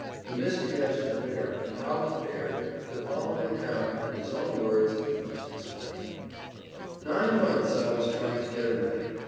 The mystery as to where, and how he fared, the following account, in his own words, must explain Nine months I was trying to get away.